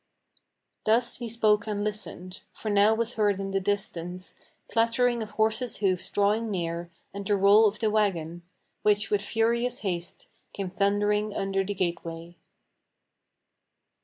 Thus he spoke and listened; for now was heard in the distance Clattering of horses' hoofs drawing near, and the roll of the wagon, Which, with furious haste, came thundering under the gateway.